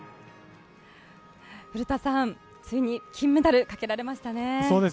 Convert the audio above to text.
古田さん、ついに金メダルかけられましたね。